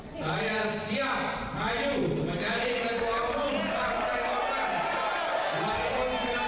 saya siap maju menjadi ketua umum partai golkar